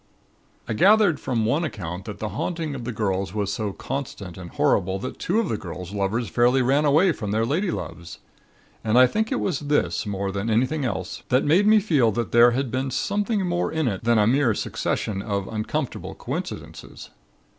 "I gathered from one account that the haunting of the girls was so constant and horrible that two of the girls' lovers fairly ran away from their ladyloves. And I think it was this, more than anything else, that made me feel that there had been something more in it than a mere succession of uncomfortable coincidences.